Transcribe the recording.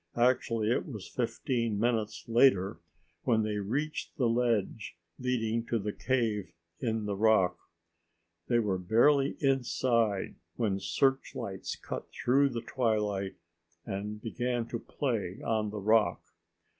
Actually it was fifteen minutes later when they reached the ledge leading to the cave in the rock. They were barely inside when search lights cut through the twilight and began to play on the rock.